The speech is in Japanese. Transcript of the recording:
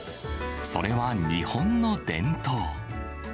それは日本の伝統。